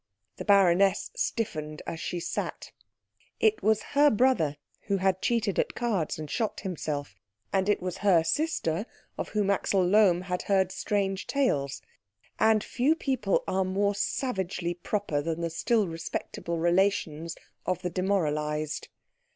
The baroness stiffened as she sat. It was her brother who had cheated at cards and shot himself, and it was her sister of whom Axel Lohm had heard strange tales; and few people are more savagely proper than the still respectable relations of the demoralised.